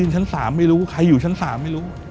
ชั้น๓ไม่รู้ใครอยู่ชั้น๓ไม่รู้